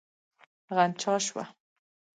غنجا شوه.